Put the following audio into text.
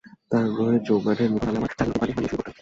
তাঁর গৃহের চৌকাঠের নিকট আমি আমার চাদরকে বালিশ বানিয়ে শুয়ে পরতাম।